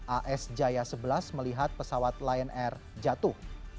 as jaya sebelas melihat pesawat lion air jatuh